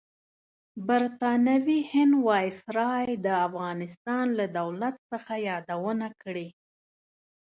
برطانوي هند وایسرای د افغانستان لۀ دولت څخه یادونه کړې.